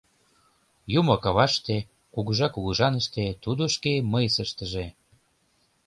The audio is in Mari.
Юмо каваште, кугыжа кугыжаныште, тудо шке мыйсыштыже.